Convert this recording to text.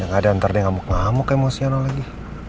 yang ada antar dia ngamuk ngamuk emosional lagi